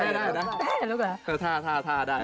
แม่ลูกเหรอแต่ถ้าได้